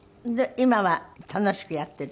今は楽しくやっている？